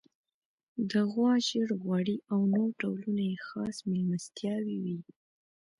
د غوا ژړ غوړي او نور ډولونه یې خاص میلمستیاوې وې.